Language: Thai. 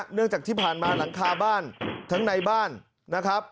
เนื่องจากที่ผ่านมาหลังคาบ้านทั้งในบ้านนะครับ